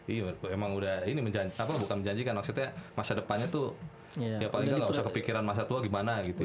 iya emang udah ini bukan menjanjikan maksudnya masa depannya tuh ya paling nggak nggak usah kepikiran masa tua gimana gitu ya